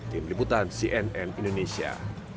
tim liputan cnn indonesia